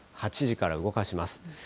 ８時から動かします。